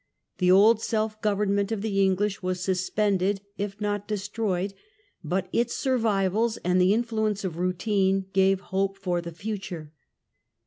The old self government of the English was suspended, if not destroyed; but its survivals, and the influence of routine, gave hope for the future.